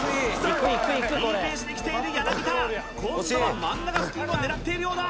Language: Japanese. おいいいペースできている柳田今度は真ん中付近を狙っているようだ